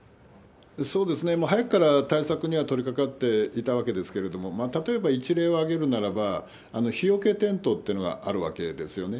そうですね。早くから対策には取りかかっていたわけですけれども、例えば、一例を挙げるならば、日よけテントってのがあるわけですよね。